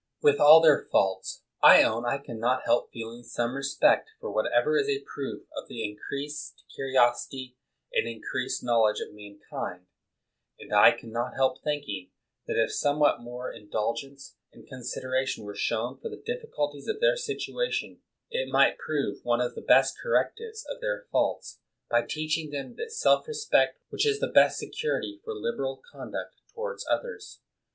With all their faults, I own I can not help feeling some respect for whatever is a proof of the increased curiosity and increased knowledge of mankind; and I can not help thinking that if somewhat more in dulgence and consideration were sho wn for the difficulties of their situation, it might prove one of the best correctives of their faults, by teach ing them that self respect which is the best se curity for liberal conduct toward others.